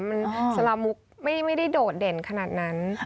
มันสละมุกไม่ได้โดดเด่นขนาดนั้น